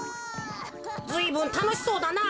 ずいぶんたのしそうだな。